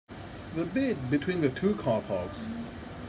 The bit between the two car parks?